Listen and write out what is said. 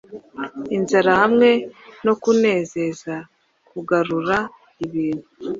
Inzara, hamwe no kunezeza kugarura ibintu